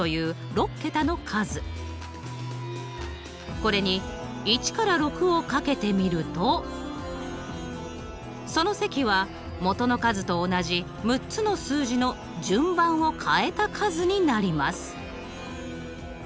これに１から６を掛けてみるとその積はもとの数と同じ６つの数字の順番を変えた数になります。